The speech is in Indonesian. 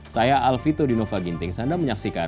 saya alvito dinova ginting sanda menyaksikan